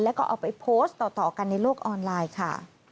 แล้วก็เอาไปโพสต์ต่อกันในโลกออนไลน์ค่ะ